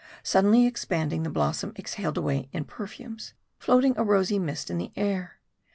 Suddenly expanding, the blossom exhaled away in perfumes ; floating a rosy mist in the air.